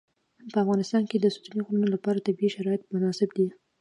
په افغانستان کې د ستوني غرونه لپاره طبیعي شرایط مناسب دي.